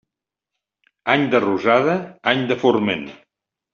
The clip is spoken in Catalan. Any de rosada, any de forment.